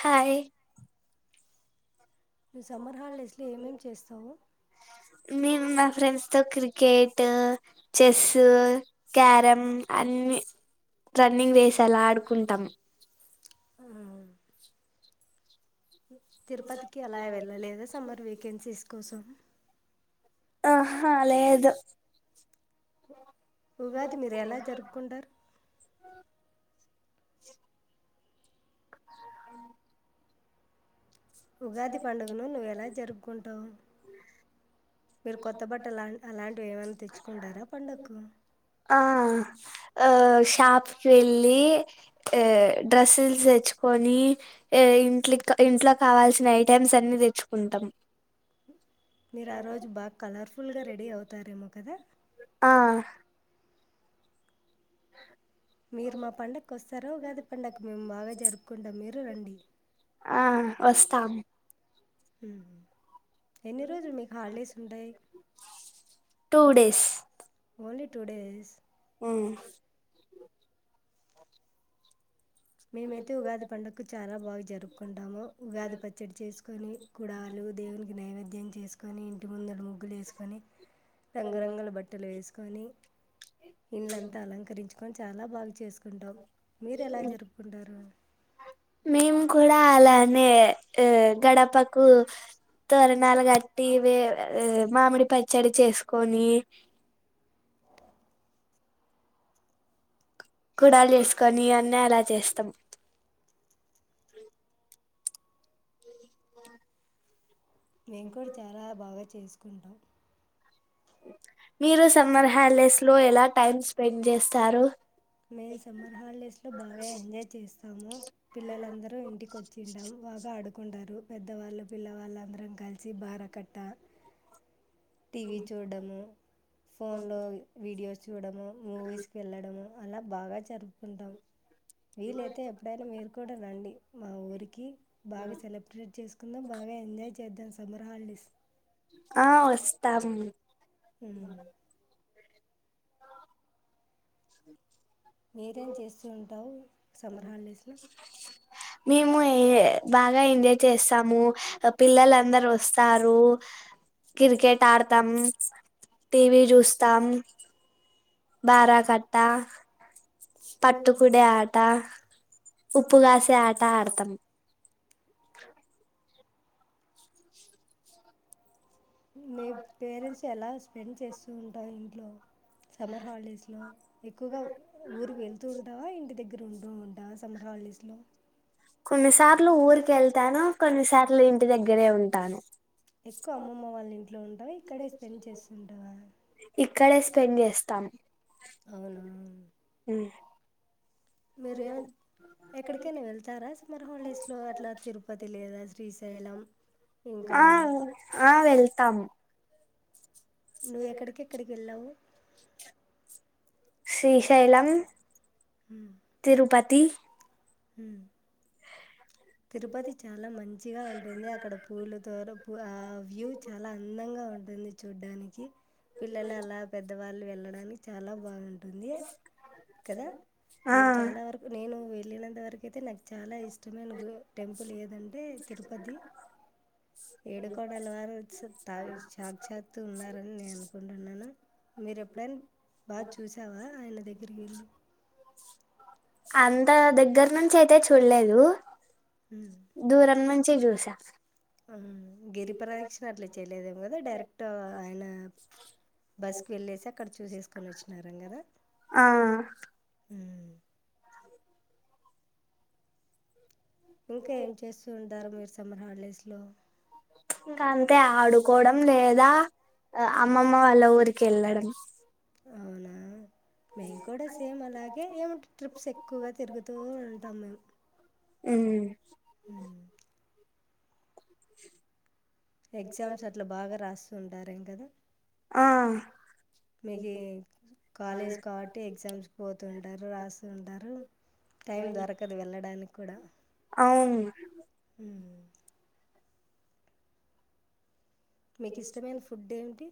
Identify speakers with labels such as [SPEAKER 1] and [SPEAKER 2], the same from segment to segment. [SPEAKER 1] Hi
[SPEAKER 2] నువ్ summer హాలిడేస్లో ఏమేమి చేస్తావు
[SPEAKER 1] మేము మా ఫ్రెండ్స్ తో క్రికెట్ చెస్ క్యారం అన్ని రన్నింగ్ రేస్ అలా ఆడుకుంటాము
[SPEAKER 2] ఆహా తిరుపతికి అలా వెళ్ళలేద సమ్మర్ వేకెన్సీస్ కోసం
[SPEAKER 1] ఆహా లేదు
[SPEAKER 2] ఉగాది మీరు ఎలా జరుపుకుంటారు
[SPEAKER 1] చె [inaudible]
[SPEAKER 2] ఉగాది పండుగను నువ్ ఎలా జరుపుకుంటావు మీరు కొత్త బట్టలు అలాంటివి ఏమైనా తెచ్చుకుంటారా పండగకు
[SPEAKER 1] ఆ ఆ షాప్ కి వెళ్ళి డ్రెస్సెస్ తెచ్చుకొని ఇట్కి ఇంట్ల కావాల్సిన ఐటైమ్స్ అన్ని తెచ్చుకుంటాం
[SPEAKER 2] మీరు ఆ రోజు బాగా కలర్ఫుల్గా రెడీ అవుతారేమో కదా
[SPEAKER 1] ఆ
[SPEAKER 2] మీరు మా పండగకు వస్తార ఉగాది పండుగ మేము బాగా జరుపుకుంటాం మీరు రండి
[SPEAKER 1] ఆ వస్తాము
[SPEAKER 2] ఉ ఎన్ని రోజులు మీ హాల్ డేస్ ఉంటాయి
[SPEAKER 1] two days
[SPEAKER 2] only two days
[SPEAKER 1] ఊ
[SPEAKER 2] మేమైతే ఉగాది పండుగకు చాలా బాగా జరుపుకుంటాము ఉగాది పచ్చడి చేసుకుని కుడాలు దేవునికి నైవేద్యం చే చేసుకొని ఇంటి ముందలు ము గ్గులు వేసుకొని రంగురంగుల బట్టలు వేసుకొని ఇండ్లంతా అలంకరించుకని అ చాలా బాగా చేసుకు ంటాం మీరు ఎలా జరుపు డారు
[SPEAKER 1] మేము కూడా అలానే గడపకు తోరణాలు కట్టి మామిడి పచ్చడి చేసుకొని. కుడా జేస్కొని అన్నీ అలా చేస్తాం. ఉ
[SPEAKER 2] మెంకూడా చాలా బాగా చేసుకో. కుండ.
[SPEAKER 1] మీరు సమ్మర్ హల్డేస్ లో ఎలా టైమ్ స్పెండ్ జేస్తారు.
[SPEAKER 2] మేము సమ్మర్ హాలిడేస్ లో బాగా ఎంజాయ్ చేస్తాము పిల్లలందరూ ఇంటికి వచ్చింటామ్ బాగా అడు. కుంటారు పెద్దవాళ్ళు పిల్లవాళ్ళు అందరం కలిసి బార కట్ట. టీవీ చూడ్డము ఫోన్ లో వీడియో చూడము మూవీస్కెళ్ళడము. అలా బాగా జరుపుకుంటాం. వీలైతే ఎప్పుడైనా మీరు కూడా రండి మా ఊరికి బాగా సెలబ్రేట్ చేసుకుందాం బాగా ఎంజాయ్ చేద్దాం. Summer holidays.
[SPEAKER 1] ఆ వస్తాం
[SPEAKER 2] ఉమ్
[SPEAKER 1] స
[SPEAKER 2] మీరేం చేస్తు ఉంటావ్ సమ్మర్ హల్డేస్ లో.
[SPEAKER 1] మేము బాగా ఎంజాయ్ చేస్తాము పిల్లలందరూ వస్తారు క్రికెట్ ఆడతాం టీవీ జూస్తాం. బార కట్టా.
[SPEAKER 2] నువ్వు
[SPEAKER 1] పట్టుకునే ఆట. ఉప్పు గాసే ఆట ఆడతాం.
[SPEAKER 2] మీ పేరెంట్స్ ఎలా. స్పెండ్ చేస్తూ ఉంటా ఇంట్లో. సమ్మర్ హాల్డేస్ లో ఎక్కువగా ఊరికి వెళ్తూ ఉంటావా ఇంటి దగ్గ రూమ్ లో ఉంటావా సమ్మర్ హాల్డేస్ లో.
[SPEAKER 1] కొన్నిసార్లు ఊరికెళ్తను కొన్నిసార్లు ఇంటి దగ్గరే ఉంటాను.
[SPEAKER 2] ఎక్కువ అమ్మమ్మ వాళ్ళ ఇంట్లో ఉంటావా ఇక్కడే స్పెండ్ చేస్తుంటావా.
[SPEAKER 1] ఇక్కడే స్పెండ్ జేస్తాం.
[SPEAKER 2] అవునా.
[SPEAKER 1] ఉమ్.
[SPEAKER 2] మీరు ఎక్కడికైనా వెళ్తారా సుమర్ హాలిడేస్లో అట్లా తిరుపతి లేదా శ్రీశైలం ఇంకా
[SPEAKER 1] ఆ ఆ వెళ్తాం
[SPEAKER 2] నువ్ ఎక్కడికేక్కడికి వెళ్ళావు.
[SPEAKER 1] శ్రీశైలం. తిరుపత్. తి.
[SPEAKER 2] ఉమ్. తిరుపతి చాలా మంచిగా ఉంటుంది అక్కడ పూలతో ఆ వ్యూ చాలా అందంగా ఉంటుంది. చూడ్డానికి పిల్లలు అలా పెద్దవాళ్ళు వెళ్ళ వెల్లడానికి చాలా బాగుంటుంది కదా
[SPEAKER 1] ఆ
[SPEAKER 2] నేను చాలా వరకు నేను వెళ్ళినంతవరకు అయితే నాకు చాలా ఇష్టమైన టెంపుల్ ఏదంటే తిరుపతి ఏడుకొండలవారు వ తా సాక్చాత్తు ఉన్నారని నేను అనుకుంటున్నాను మీరు ఎప్పుడైనా బాగా చూసావా ఆయన దగ్గరికి వెళ్ళి
[SPEAKER 1] అంత దగ్గర నుంచి అయితే చూడలేదు
[SPEAKER 2] వెళ్ళి
[SPEAKER 1] దూరం చ్చి జూసా
[SPEAKER 2] గిరిప్రదక్షిణ అట్లా చేయలేదేం కదా డైరెక్ట్ ఆయన బస్కి వెళ్ళేసి అక్కడ చూసేసుకొని వచ్చినారేం కదా
[SPEAKER 1] ఆ
[SPEAKER 2] ఉ ఇంకా ఏం చేస్తూ ఉంటారు మీరు సమ్మర్ హాలిడేస్ లో
[SPEAKER 1] ఇంకా అంతే ఆడుకోవడం లేదా అమ్మమ్మ వాళ్ళ ఊరికి యెళ్ళడం
[SPEAKER 2] అవునా మేము కూడా సేమ్ అలాగే ఏమి ట్రిప్స్ ఎక్కువగా తిరుగుతూ ఉంటాం మేము
[SPEAKER 1] ఉ
[SPEAKER 2] హ ఎగ్జామ్స్ అట్లా బాగా రాస్తుంటారు ంటారంగదా
[SPEAKER 1] ఆ
[SPEAKER 2] మీకి కాలేజ్ కాబట్టి ఎగ్జామ్స్ పోతుూ ఉంటారు రాస్తుంటారు టైం దొరకదు వెళ్ళడానికి కూడా
[SPEAKER 1] అవును
[SPEAKER 2] మీకు ఇష్టమైన ఫుడ్ ఏమిటి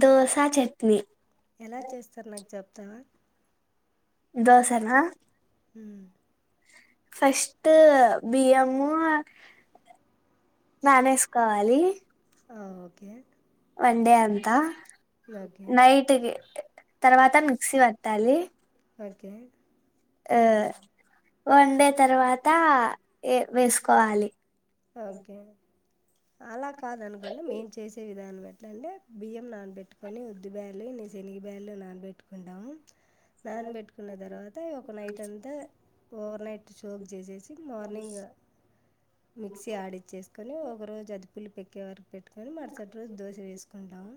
[SPEAKER 1] దోసా చట్నీ
[SPEAKER 2] ఎలా చేస్తారు నాకు చెప్ త
[SPEAKER 1] దోసనా
[SPEAKER 2] ఉ
[SPEAKER 1] ఫస్ట్ బియ్యము నానేసుకోవాలి
[SPEAKER 2] ఓకే
[SPEAKER 1] వన్ డే అంతా
[SPEAKER 2] ఓకే
[SPEAKER 1] నైట్కి తర్వాత మిక్సీ పట్టాలి
[SPEAKER 2] ఓకే
[SPEAKER 1] ఆ వన్ డే తర్వాత ఏ వేసుకోవాలి
[SPEAKER 2] ఓకే అలా కాదనుకోండి మేం చేసే విధానమే ఎట్లా అంటే బియ్యం నానబట్టుకొని ఉద్ది బ్యాల్లు ఇన్ని శనగ బ్యాల్లు నానబెటుకుంటాము నానబెట్టుకున్న తర్వాత ఒక నైట్ అంతా ఓవర్నైట్ షోక్ చేసేసి మార్నింగ్ మిక్సీ ఆడిచ్చేసుకొని ఒకరోజు అదిపులుపు ఏక్కే వరకు పెట్టుకొని మరుసటి రోజు దోశ వేసుకుంటాము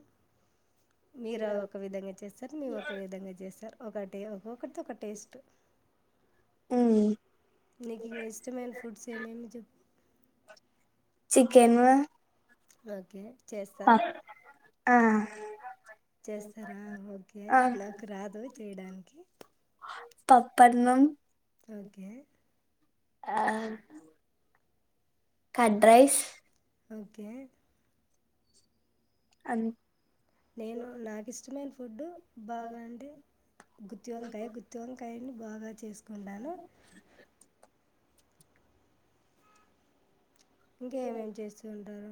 [SPEAKER 2] మీరు ఒక విధంగా చేస్తారు మేము ఒక విధంగా చేస్తారు ఒకటి ఒక్కటి ఒక టేస్ట్
[SPEAKER 1] ఉమ్
[SPEAKER 2] నకు ఇం ఇష్టమ్యాన్ ఫుడ్స్ ఏ మే చె
[SPEAKER 1] చికెను
[SPEAKER 2] ఓకే చేస్తారా
[SPEAKER 1] ఆ
[SPEAKER 2] చేస్తారా ఓకే
[SPEAKER 1] ఆ
[SPEAKER 2] నాకు రాదు చేయడానికి
[SPEAKER 1] పప్పన్నం
[SPEAKER 2] ఓకే
[SPEAKER 1] ఆ కడ్ రైస్
[SPEAKER 2] ఓకే
[SPEAKER 1] అం
[SPEAKER 2] నేను నాకు ఇష్టమే ఫుడ్ బాగా అంటే గుత్తివంకాయ గుత్తి వంకాయని బాగా చేసు వుండను ఇంక ఏమేం చేస్తూ ఉంటారు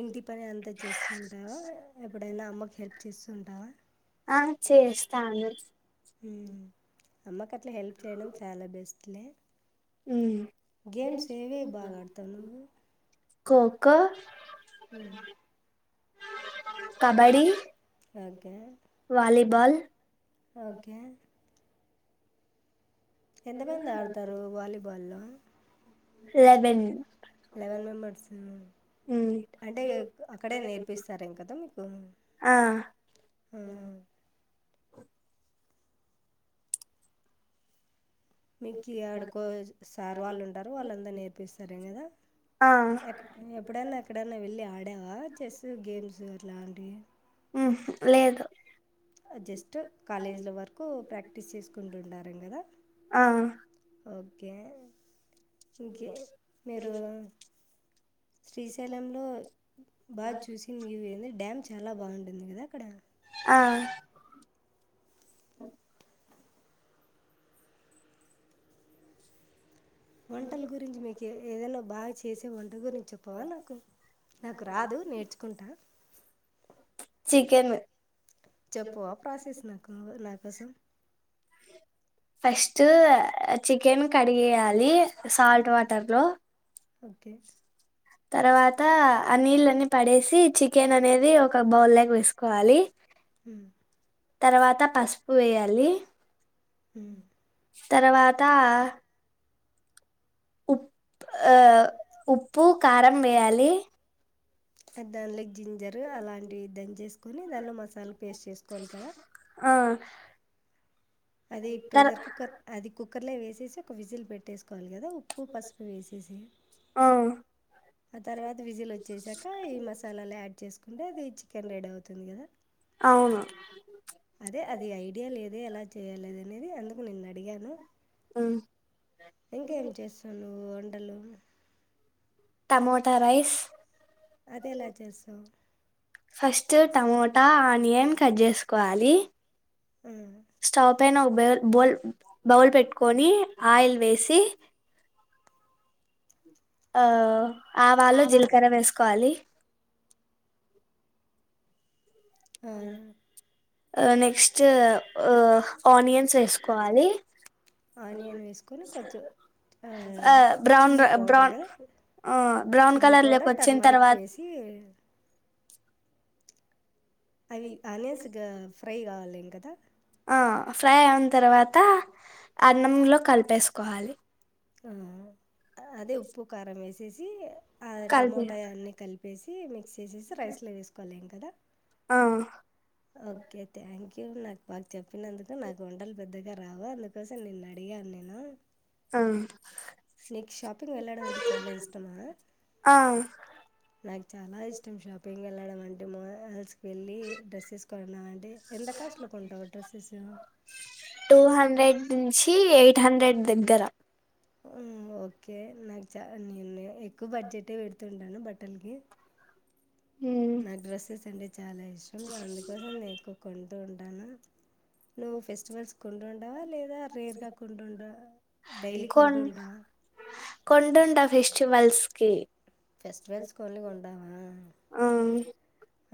[SPEAKER 2] ఇంటి పని అంతా చేస్తుంటావా ఎప్పుడైనా అమ్మకు హెల్ప్ చేస్తుంటావా
[SPEAKER 1] ఆ చేేస్తాను
[SPEAKER 2] హ్మ్ అమ్మక అట్లా హెల్ప్ చేయడం చాలా బెస్ట్ లే
[SPEAKER 1] ఉమ్
[SPEAKER 2] గేమ్స్ ఏవే బాగాడుతావ్ నువ్వు
[SPEAKER 1] కోకా
[SPEAKER 2] ఉమ్
[SPEAKER 1] కబడీ
[SPEAKER 2] ఒకే
[SPEAKER 1] బల్
[SPEAKER 2] ఓకే ఎంత మంది ఆడతారు వాలీబాల్లో
[SPEAKER 1] లెవెన్
[SPEAKER 2] లెవెన్ మెంబర్స్
[SPEAKER 1] ఉమ్
[SPEAKER 2] అంటే అక్కడే నేర్పిస్తారేం కదా మీకు
[SPEAKER 1] ఆ
[SPEAKER 2] మిక్కి ఆడుకో సార్ వాళ్ళు ఉంటారు వాళ్ళంతరు నేర్పిస్తారే కదా
[SPEAKER 1] ఆ
[SPEAKER 2] ఎ ఎప్పుడైనా ఎక్కడైనా వెళ్ళి ఆడావా చెస్ గేమ్స్ అట్లాంటివి
[SPEAKER 1] ఉమ్ లేదు
[SPEAKER 2] జస్ట్ కాలేజీల వరకు ప్రాక్టీస్ చేసుకుంటుండాల కదా
[SPEAKER 1] ఆ
[SPEAKER 2] ఓకే ఇంకా మీరు శ్రీశైలంలో బాగా చూసిన వూ ఏంది డ్యామ్ చాలా బాగుంటుంది కదా అక్కడ
[SPEAKER 1] అఓ
[SPEAKER 2] వంటల గురించి మీకు ఏదైనా బాగా చేసే వంట గురించి చెప్పవా నాకు నాకు రాదు నేర్చుకుంటా
[SPEAKER 1] చికెన్
[SPEAKER 2] చెప్పు ప్రాసెస్ నాకు నాకు కాసా
[SPEAKER 1] ఫస్ట్ చికెన్ కడిగేయాలి సాల్ట్ వాటర్ లో
[SPEAKER 2] ఓకే
[SPEAKER 1] తర్వాత ఆ నీళ్ళన్నీ పడేసి చికెన్ అనేది ఒక బౌల్లాక వేసుకోవాలి
[SPEAKER 2] హ
[SPEAKER 1] తర్వాత పసుపు వేయాలి
[SPEAKER 2] హ
[SPEAKER 1] తర్వాత ఉప్పు ఆ ఉప్పు కారం వేయాలి
[SPEAKER 2] అ దానిల జింజరు అలాంటివి దంచి చేసుకొని దానిలో మసాలా పేస్ట్ చేసుకోవాలి కదా
[SPEAKER 1] ఆ
[SPEAKER 2] అది
[SPEAKER 1] తర్
[SPEAKER 2] ప్రెషర్ కుక్కర్ అది కుక్కర్లే వేసేసి ఒక విజిల్ పెట్టేసుకోవాలి కదా ఉప్పు పసుపు వేసేసి
[SPEAKER 1] ఆ
[SPEAKER 2] ఆ తర్వాత విజిల్ వచ్చసాక ఈ మసాలాలు యాడ్ చేసుకుంటే అది చికెన్ రెడీ అవుతుంది కదా
[SPEAKER 1] అవును
[SPEAKER 2] అదే అది ఐడియా లేదే ఎలా చేయాలద అనేది అందుకు నిన్ను అడిగాను
[SPEAKER 1] అ
[SPEAKER 2] ఇంకా ఏం చేస్తావు నువ్వు వంటలు
[SPEAKER 1] టమోటా రైస్
[SPEAKER 2] అదే ఎలా చేస్తావ్
[SPEAKER 1] ఫస్ట్ టమోటా ఆనియన్ కట్ చేసుకోవాలి
[SPEAKER 2] ఆ
[SPEAKER 1] స్టాపయినా ఉబేర్ బోల్ బౌల్ పెట్టుకొని ఆయిల్ వేసి ఆ ఆవాళు
[SPEAKER 2] ఆవా
[SPEAKER 1] జీలకర్ర వేసుకోవాలి ఆ ఆ నెక్స్ట్ ఆ ఆనియన్స్ వేసుకోవాలి
[SPEAKER 2] ఆనియన్ వేసుకొని కొంచెం
[SPEAKER 1] ఆ బ్రౌన్
[SPEAKER 2] చిల్లీ పౌడర్
[SPEAKER 1] బ్రౌన్
[SPEAKER 2] కదా
[SPEAKER 1] ఆ బ్రౌన్
[SPEAKER 2] చిల్లీ
[SPEAKER 1] కలర్ లోకి
[SPEAKER 2] పౌడర్
[SPEAKER 1] వచ్చిన
[SPEAKER 2] టర్మరిక్
[SPEAKER 1] తర్వాత
[SPEAKER 2] వేసి [unintelligible] అవి అనేస్గా ఫ్రై కావాలి గదా [unintelligible]
[SPEAKER 1] ఆ ఫ్రై ఐన తర్వాత అన్నంలో కలిపేసుకోవాలి
[SPEAKER 2] ఆ అదే ఉప్పు కారం వేసి చేసి [unintelligible] ఆ
[SPEAKER 1] కలిపి
[SPEAKER 2] టమోటా అన్ని కలిపేసి తీ మిక్స్ చేసేసి రైస్లో వేసుకోవాలింక ఎదా [unintelligible]
[SPEAKER 1] ఆ
[SPEAKER 2] ఓకే థ్యాంక్ ్య నాకు బకు చెప్పినందుకు నాకు వంటలు పెద్దగా రావు అందుకోసం నేన్న అడిగాను నేను [unintelligible]
[SPEAKER 1] అ
[SPEAKER 2] నీకు షాపింగ్ వెళ్ళడం అంటే చాలా ఇష్టమా
[SPEAKER 1] ఆ
[SPEAKER 2] నాకు చాలా ఇష్టం షాపింగ్ వెళ్ళడం అంటే మాల్స్ వెళ్ళి డ్రెస్సెస్ కొన్నామంటే ఎంత కాస్ట్లో కొంటావు డ్రెస్సెస్
[SPEAKER 1] టూ హండ్రెడ్ నుంచి ఎయిట్ హండ్రెడ్ దగ్గర
[SPEAKER 2] హ్మ్ ఓకే నాకు చ నేను ఎక్కువ బడ్జెటే పెడుతుంటాను బట్టలకి నాకు డ్రెస్సెస్ అంటే చాలా ఇష్టం అందుకోసం నే ఎక్కు కొన్ ఉండను నువ్వు ఫెస్టివల్స్ కొంట ఉంటవా లేదా రేర్గా కొంట ఉంట డైలీ కొంట
[SPEAKER 1] కొన్
[SPEAKER 2] ఉంటవా
[SPEAKER 1] చ్చవల్స్కి
[SPEAKER 2] ఫెస్టివల్స్ కొడ్ని కొంటావా
[SPEAKER 1] ఆ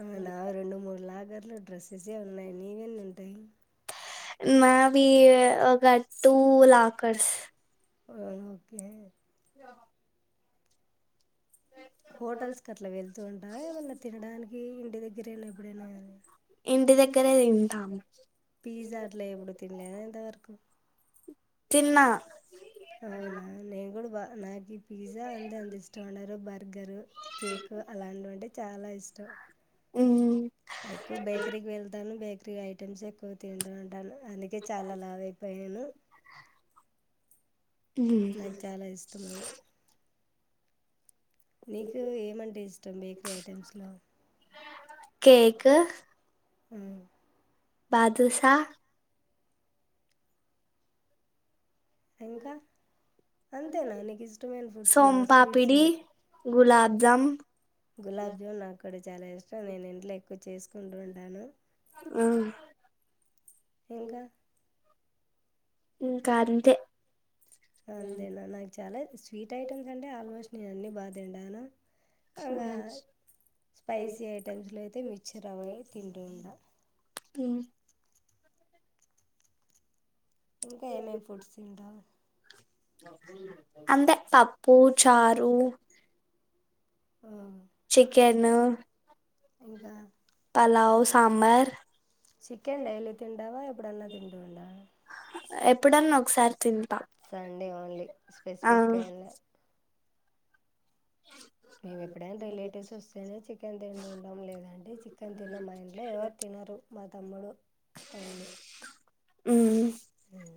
[SPEAKER 2] ఆ నా రెండు మూడు లాకర్లు డ్రెస్సెసే ఉన్నాయి నీవెన్నీ ఉంటాయి
[SPEAKER 1] మావి ఒక టూ లాకర్స్
[SPEAKER 2] అక [unintelligible]
[SPEAKER 1] ఆహ
[SPEAKER 2] హోటల్స్ కి అట్లా వెళ్తూ ఉంటావా ఏమన్నా తినడానికి ఇంటి దగ్గరేనా ఎప్పుడైనా కానీ
[SPEAKER 1] ఇక్కడే తింటాం
[SPEAKER 2] పిజ్జా అట్లా ఎప్పుడు తినలేద ఇంత వరకు
[SPEAKER 1] తిన్నా
[SPEAKER 2] అవునా నేను కూడా బా నాగ్ ఈ పిజ్జా అంతే ఎంత ఇష్టం ఉండారు బర్గరు కేక్ అలాంటివంటే చాలా ఇష్టం ఎక్కువ బేకరికి వెళ్తాను బేక త్రీ ఐటమ్స్ ఎక్కువ తిండి వంటను అందుకే చాలా లావు అయిపోయాను నాకు చాలా ఇష్టం అది నీకు ఏమంటే ఇష్టం బేకరీ ఐటెమ్స్ లో
[SPEAKER 1] కేక్
[SPEAKER 2] ఉమ్
[SPEAKER 1] బాదుశా
[SPEAKER 2] ఇంకా అంతేనా నీకు ఇష్టమైన ఫుడ్స్ లో sweets
[SPEAKER 1] gulab jam
[SPEAKER 2] gulab jam నాకు ఇక్కడ చాలా ఇష్టం నేను ఇంట్లో ఎక్కువ చేసుకుంటు ఉంటాను
[SPEAKER 1] ఆ
[SPEAKER 2] ఇంకా
[SPEAKER 1] ఇంకా అంతే
[SPEAKER 2] అంతేనా నాకు చాలా స్వీట్ ఐటెమ్స్ అంటే ఆల్మోస్ట్ నేను అన్నీ బా తింటాను ఆ స్పైసీ ఐటమ్స్లో అయితే మిక్చర్ అవి తింటు ఉంట
[SPEAKER 1] ఉమ్
[SPEAKER 2] ఇంకా ఏమేమి ఫుడ్స్ తింటావు
[SPEAKER 1] అంతే పప్పు చారు
[SPEAKER 2] ఆ,
[SPEAKER 1] చికెన్
[SPEAKER 2] ఇంకా
[SPEAKER 1] పలావ్ కమర్
[SPEAKER 2] చికెన్ డైలీ తింటావా ఎప్పుడన్న తింటావా
[SPEAKER 1] ఎప్పుడన్నా ఒకసారి తిం టా
[SPEAKER 2] అండి ఓన్లీ స్పెసిపిగ్గా యెల్ల మేమెప్పుడైనా రిలేటివ్స్ వస్తేనే చికెన్ తింటుంటాం లేదంటే చికెన్ తినం మా ఇంట్లో ఎవరు తినరు మా తమ్ముడు ఓన్లీ
[SPEAKER 1] ఉ
[SPEAKER 2] ఉమ్.